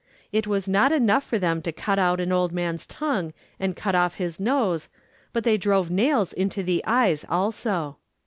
It was not enough for them to cut out an old man's tongue and cut off his nose, but they drove nails into the eyes also.